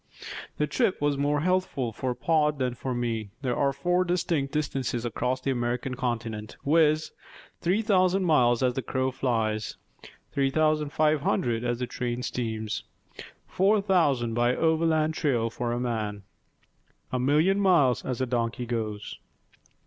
The trip was more healthful for Pod than for me. There are four distinct distances across the American continent, viz: Three thousand miles as the crow flies. Three thousand five hundred as the train steams. Four thousand by overland trail for a man. A million miles as a donkey goes.